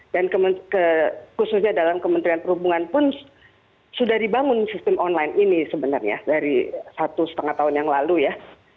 dan khususnya dalam kementerian perhubungan pun sudah dibangun sistem online ini sebenarnya dari satu setengah tahun yang lalu ya